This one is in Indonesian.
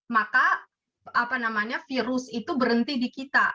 maka virus itu berhenti di kita